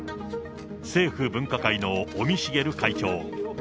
政府分科会の尾身茂会長。